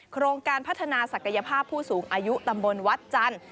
โครงการพัฒนาศักยภาพผู้สูงอายุตำบลวัดจันทร์